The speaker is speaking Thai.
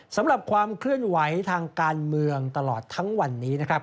สำหรับความเคลื่อนไหวทางการเมืองตลอดทั้งวันนี้นะครับ